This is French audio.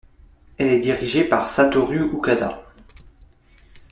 Elle est dirigée par Satoru Okada.